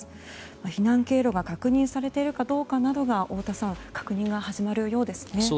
避難経路が確認されているかどうかなどが太田さん確認が始まるようですね。